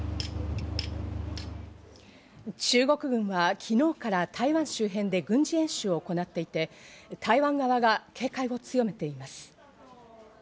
中国軍が昨日から台湾周辺で軍事演習を行っていて、台湾側が警戒を強めています。